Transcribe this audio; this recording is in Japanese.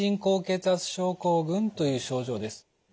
高血圧症候群という症状です。